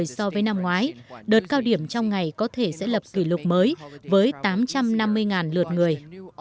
so với năm ngoái đợt cao điểm trong ngày có thể sẽ lập kỷ lục mới với tám trăm năm mươi lượt người